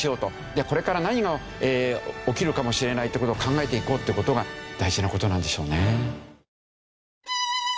これから何が起きるかもしれないっていう事を考えていこうっていう事が大事な事なんでしょうね。